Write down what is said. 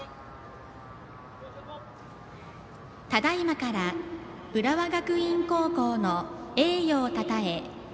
ただいまから浦和学院高校の栄誉をたたえ